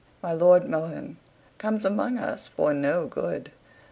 MY LORD MOHUN COMES AMONG US FOR NO GOOD.